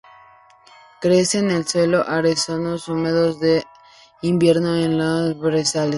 Crece en suelos arenosos húmedos de invierno en los brezales.